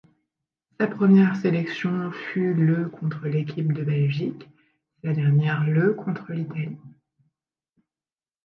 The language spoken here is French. Sa première sélection fut le contre l'équipe de Belgique, sa dernière le contre l'Italie.